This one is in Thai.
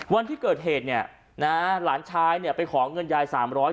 วันที่เกิดเหตุหลานชายไปขอเงินยาย๓๐๐บาท